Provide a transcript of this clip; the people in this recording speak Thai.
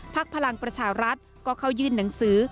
ภักดิ์พลังประชารัฐก็เขายืนหนังสือ